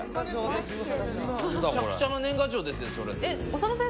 そうですね。